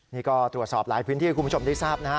นี่ก็ตรวจสอบหลายพื้นที่ให้คุณผู้ชมได้ทราบนะฮะ